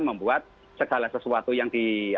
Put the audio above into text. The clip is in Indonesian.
membuat segala sesuatu yang